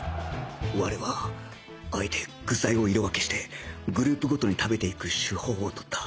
我はあえて具材を色分けしてグループごとに食べていく手法をとった